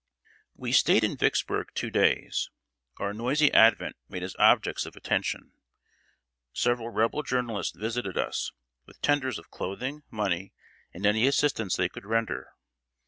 ] We stayed in Vicksburg two days. Our noisy advent made us objects of attention. Several Rebel journalists visited us, with tenders of clothing, money, and any assistance they could render.